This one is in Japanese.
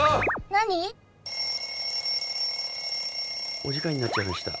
なに？お時間になっちゃいました